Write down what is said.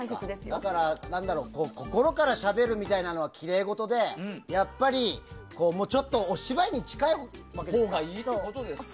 だから、心からしゃべるみたいなのはきれいごとでやっぱりお芝居に近いほうがいいわけですか？